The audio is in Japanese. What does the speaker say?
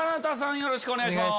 よろしくお願いします。